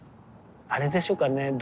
あれでしょうかね